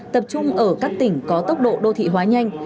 tập trung ở các tỉnh có tốc độ đô thị hóa nhanh